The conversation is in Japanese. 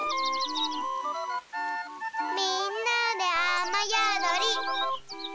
みんなであまやどり。